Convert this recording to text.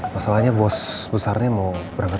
masalahnya bos besarnya mau berangkat